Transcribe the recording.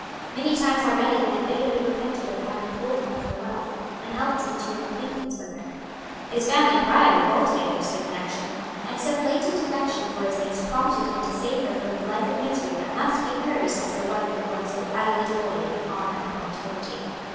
Many times already had he bitterly repented of having told him of her wealth, and helped him to an acquaintance with her. His family pride revolted against the connection, and some latent affection for his niece prompted him to save her from the life of misery that must be hers as the wife of one so utterly devoid of honor or integrity.